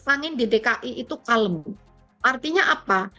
angin di dki itu kalem artinya apa